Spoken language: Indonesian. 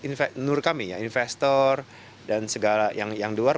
menurut kami ya investor dan segala yang di luar